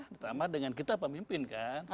terutama dengan kita pemimpin kan